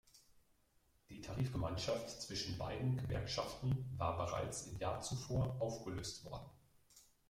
Die Tarifgemeinschaft zwischen beiden Gewerkschaften war bereits im Jahr zuvor aufgelöst worden.